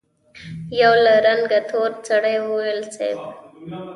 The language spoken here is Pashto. يوه له رنګه تور سړي وويل: صېب!